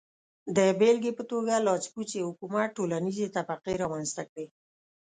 د بېلګې په توګه لاسپوڅي حکومت ټولنیزې طبقې رامنځته کړې.